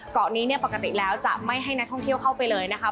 เกาะนี้เนี่ยปกติแล้วจะไม่ให้นักท่องเที่ยวเข้าไปเลยนะคะ